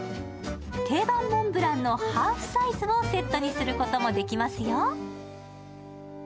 定番モンブランのハーフサイズをセットにすることもできますよ。